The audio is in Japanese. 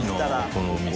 このお店。